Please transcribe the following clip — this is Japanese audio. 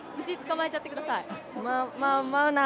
虫捕まえちゃってください。